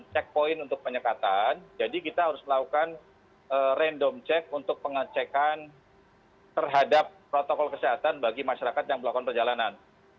checkpoint untuk penyekatan jadi kita harus melakukan random check untuk pengecekan terhadap protokol kesehatan bagi masyarakat yang melakukan perjalanan